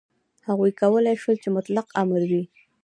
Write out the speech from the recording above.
هغوی کولای شول چې مطلق امر وي.